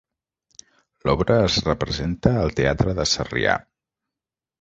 L'obra es representa al Teatre de Sarrià.